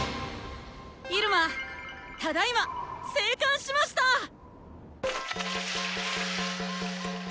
入間ただいま生還しましたぁ！